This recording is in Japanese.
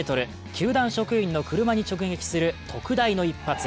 球団職員の車に直撃する特大の一発。